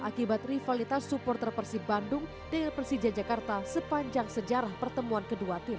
akibat rivalitas supporter persib bandung dengan persija jakarta sepanjang sejarah pertemuan kedua tim